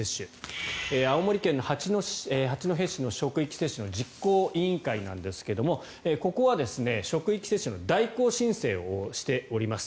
青森県の八戸市の職域接種の実行委員会ですがここは職域接種の代行申請をしております。